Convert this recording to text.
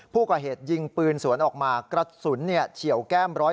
ผู้ก่อเหตุยิงปืนสวนออกมากระสุนเฉียวแก้ม๑๐